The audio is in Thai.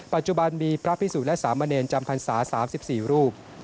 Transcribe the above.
ปัจจุบันมีพระพิสุทธิ์และสามเมรินจำคัญศาสตร์๓๔รูป